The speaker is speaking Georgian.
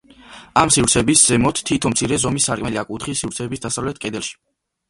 ამ სივრცეების ზემოთ თითო მცირე ზომის სარკმელია კუთხის სივრცეების დასავლეთ კედელში.